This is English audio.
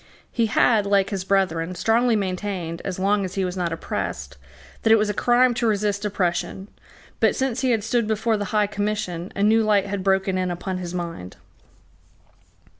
He had, like his brethren, strongly maintained, as long as he was not oppressed, that it was a crime to resist oppression; but, since he had stood before the High Commission, a new light had broken in upon his mind.